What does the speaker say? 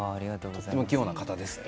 とても器用な方ですと。